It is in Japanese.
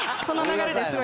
その流れで。